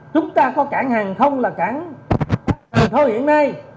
chúng ta có cảng hàng không là cảng hà thôi hiện nay